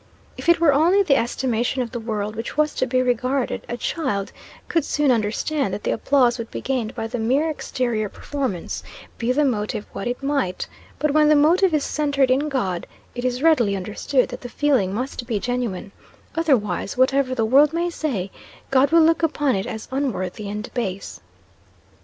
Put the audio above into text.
If it were only the estimation of the world which was to be regarded, a child could soon understand that the applause would be gained by the mere exterior performance, be the motive what it might: but when the motive is centered in God, it is readily understood that the feeling must be genuine; otherwise, whatever the world may say, God will look upon it as unworthy and base.